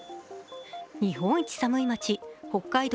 日本一寒い町、北海道